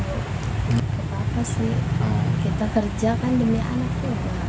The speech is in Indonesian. gak apa apa sih kita kerja kan demi anak juga